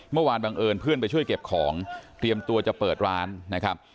บังเอิญเพื่อนไปช่วยเก็บของเตรียมตัวจะเปิดร้านนะครับ